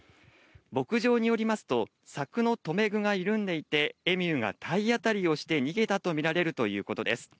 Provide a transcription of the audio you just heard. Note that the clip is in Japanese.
牧場によりますと、柵の留め具が緩んでいて、エミューが体当たりをして逃げたと見られるということです。